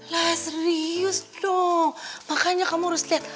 lah serius dong makanya kamu harus state